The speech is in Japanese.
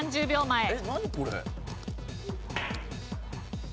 １０秒前。